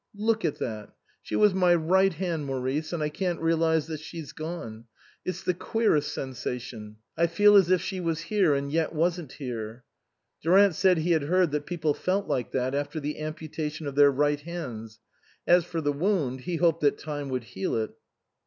"Look at that. She was my right hand, Maurice, and I can't realize that she's gone. It's the queerest sensation ; I feel as if she was here and yet wasn't here." Durant said he had heard that people felt like that after the amputation of their right hands. As for the wound, he hoped that time would heal it.